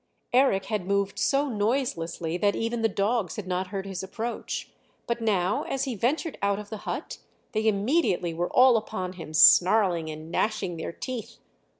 Eric had moved so noiselessly that even the dogs had not heard his approach, but now as he ventured out of the hut they immediately were all upon him snarling and gnashing their teeth.